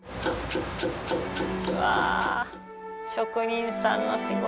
わぁ職人さんの仕事。